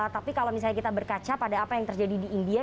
tapi kalau misalnya kita berkaca pada apa yang terjadi di india